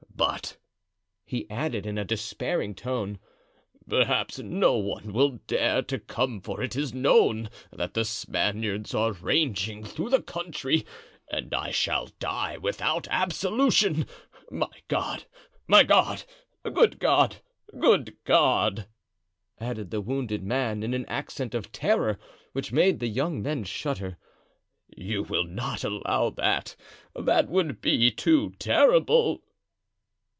But," he added in a despairing tone, "perhaps no one will dare to come for it is known that the Spaniards are ranging through the country, and I shall die without absolution. My God! my God! Good God! good God!" added the wounded man, in an accent of terror which made the young men shudder; "you will not allow that? that would be too terrible!"